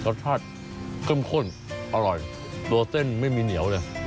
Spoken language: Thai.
รสชาติเข้มข้นอร่อยตัวเส้นไม่มีเหนียวเลย